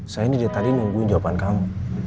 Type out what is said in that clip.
saya ini dari tadi nungguin jawaban kamu